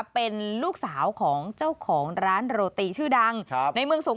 เป็นลูกสาวของเจ้าของร้านโรตีชื่อดัง